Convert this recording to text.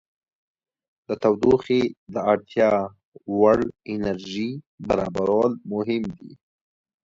د تودوخې د اړتیا وړ انرژي برابرول مهم دي.